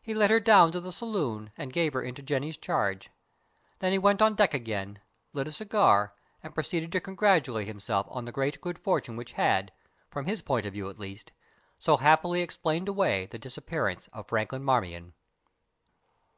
He led her down to the saloon, and gave her into Jenny's charge. Then he went on deck again, lit a cigar, and proceeded to congratulate himself on the great good fortune which had, from his point of view at least, so happily explained away the disappearance of Franklin Marmion.